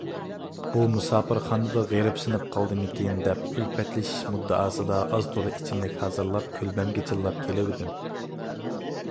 بۇ مۇساپىرخانىدا غېرىبسىنىپ قالدىمىكىن دەپ، ئۈلپەتلىشىش مۇددىئاسىدا ئاز - تولا ئىچىملىك ھازىرلاپ كۆلبەمگە چىللاپ كېلىۋىدىم.